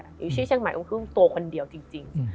อยู่ชื่อเชียงใหม่ต้องคือตัวคนเดียวจริง